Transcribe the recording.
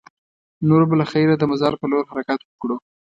نور به له خیره د مزار په لور حرکت وکړو.